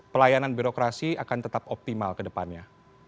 pelayanan birokrasi akan tetap optimal ke depannya